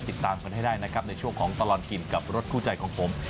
ติดตามกันให้ได้นะครับในช่วงของตลอดกินกับรถคู่ใจของผม